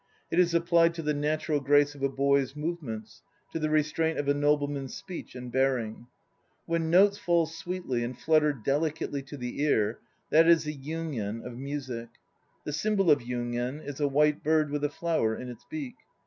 It is applied to the natural grace of a boy's move ments, to the restraint of a nobleman's speech and bearing. "When notes fall sweetly and flutter delicately to the ear," that is the yugen of music. The symbol of yugen is "a white bird with a flower in its beak."